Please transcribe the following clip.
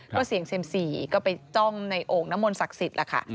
ก็เสียงเสมสี่ก็ไปจ้องในโอกนมนต์ศักดิ์สิทธิ์ล่ะค่ะ